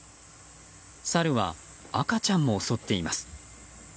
サルは赤ちゃんも襲っています。